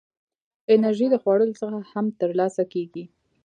انرژي د خوړو څخه هم ترلاسه کېږي.